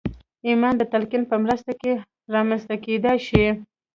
ایمان د تلقین په مرسته هم رامنځته کېدای شي